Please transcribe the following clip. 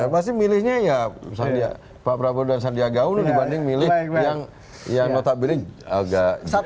pasti milihnya ya pak prabowo dan sandiaga uno dibanding milih yang notabene agak sama